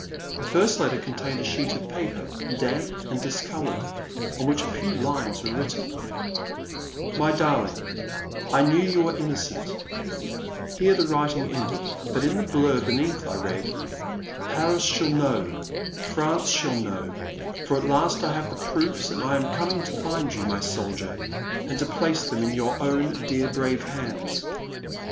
The first letter contained a sheet of paper, damp and discoloured, on which a few lines were written :My darling, I knew you were innocent —Here the writing ended, but, in the blur beneath, I read :Paris shall know — France shall know, for at last I have the proofs and I am coming to find you, my soldier, and to place them in your own dear brave hands.